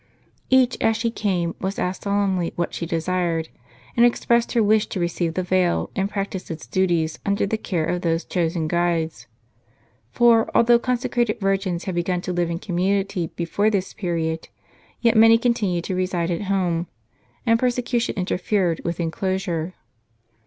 Each as she came was asked solemnly what she desired, and expressed her wish to receive the veil, and practise its duties, under the care of those chosen guides. For, although consecrated virgins had begun to live in community before this period, yet many continued to reside at home; and perse cution interfered with enclosure.